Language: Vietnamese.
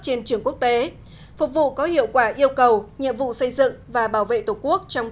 trên trường quốc tế phục vụ có hiệu quả yêu cầu nhiệm vụ xây dựng và bảo vệ tổ quốc trong